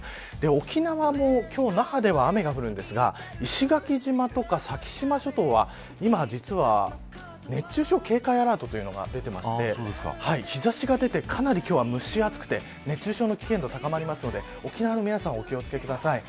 沖縄も今日那覇では雨が降るんですが石垣島とか先島諸島は今、実は熱中症警戒アラートというのが出ていて日差しが出てかなり今日は蒸し暑くて熱中症の危険度が高まるので沖縄の皆さんお気を付けください。